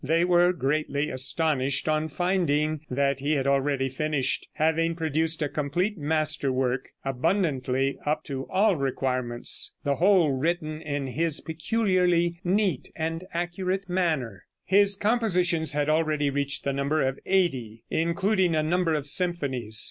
They were greatly astonished on finding that he had already finished, having produced a complete master work, abundantly up to all requirements, the whole written in his peculiarly neat and accurate manner. His compositions had already reached the number of eighty, including a number of symphonies.